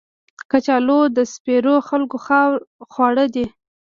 کچالو د سپېرو خلکو خواړه دي